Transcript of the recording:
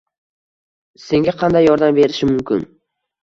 Senga qanday yordam berishim mumkin